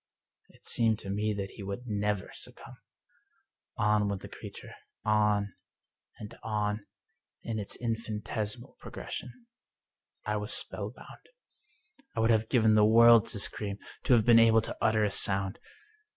It seemed to me that he would never succumb. On went the creature — on, and on, in its infinitesimal progression. I was spellbound. I would have given the world to scream, to have been able to utter a sound.